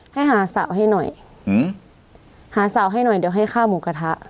ให้หาสาวให้หน่อยหาสาวให้หน่อยเดี๋ยวให้ข้าวหมูกระทะ